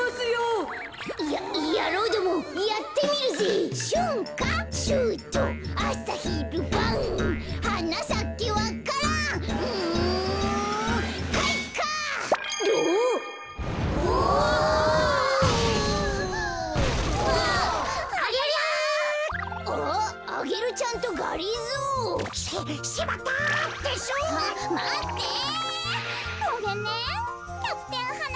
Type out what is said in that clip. ごめんねキャプテンはなかっぱん。